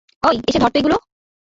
ওই, এসে ধর তো এগুলো।